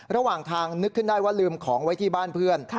ระหว่างทางนึกขึ้นได้ว่าลืมของไว้ที่บ้านเพื่อน